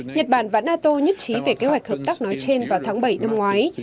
nhật bản và nato nhất trí về kế hoạch hợp tác nói trên vào tháng bảy năm ngoái